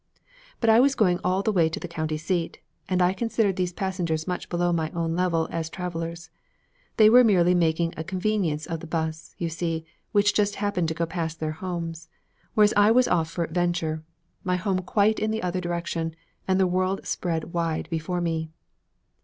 But I was going all the way to the county seat and I considered these passengers much below my own level as travelers. They were merely making a convenience of the 'bus, you see, which just happened to go past their homes; whereas I was off for adventure, my home quite in the other direction, and the world spread wide before me.